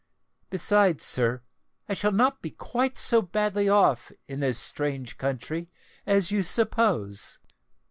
Besides, sir, I shall not be quite so badly off in this strange country, as you suppose."